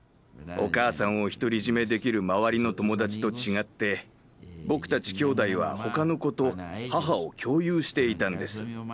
お母さんを独り占めできる周りの友達と違って僕たちきょうだいは他の子と母を共有していたんです。